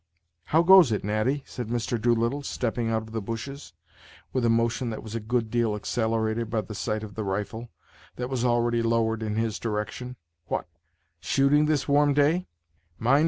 "How goes it, Natty?" said Mr. Doolittle, stepping out of the bushes, with a motion that was a good deal accelerated by the sight of the rifle, that was already lowered in his direction. "What! shooting this warm day!